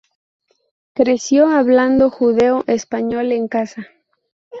Creció hablando Judeo-español en casa